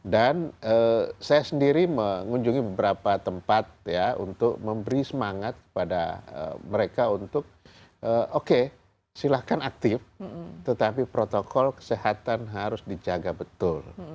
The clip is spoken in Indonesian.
dan saya sendiri mengunjungi beberapa tempat ya untuk memberi semangat kepada mereka untuk oke silahkan aktif tetapi protokol kesehatan harus dijaga betul